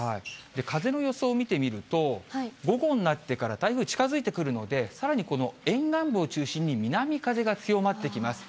風の予想を見てみると、午後になってから台風近づいてくるので、さらにこの沿岸部を中心に、南風が強まってきます。